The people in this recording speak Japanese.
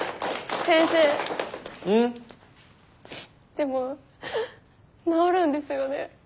でも治るんですよね？